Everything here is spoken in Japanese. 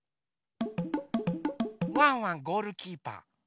ワンワンゴールキーパー。